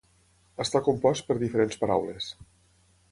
Està compost per diferents paraules.